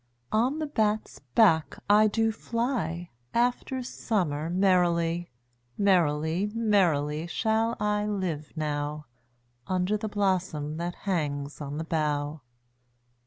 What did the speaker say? On the bat's back I do fly After summer merrily: 5 Merrily, merrily, shall I live now, Under the blossom that hangs on the bough.